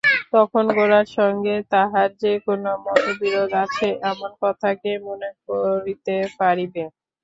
তখন গোরার সঙ্গে তাহার যে কোনো মতবিরোধ আছে এমন কথা কে মনে করিতে পারিবে!